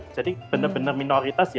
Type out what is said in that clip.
islam sicken tentu minoritas sick iya